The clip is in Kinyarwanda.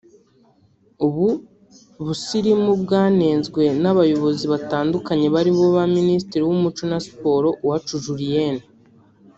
ubu busirimu bwanenzwe n’ abayobozi batandukanye barimo ba Minisitiri w’ Umuco na siporo Uwacu Julienne